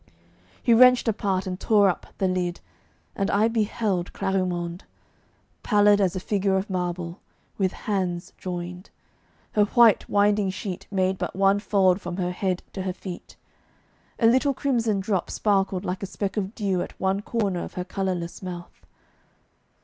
He wrenched apart and tore up the lid, and I beheld Clarimonde, pallid as a figure of marble, with hands joined; her white winding sheet made but one fold from her head to her feet. A little crimson drop sparkled like a speck of dew at one corner of her colourless mouth.